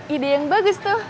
ide yang bagus tuh